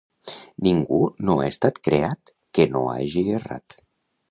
Ningú no ha estat creat que no hagi errat.